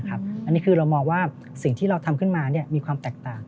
อันนี้คือเรามองว่าสิ่งที่เราทำขึ้นมามีความแตกต่าง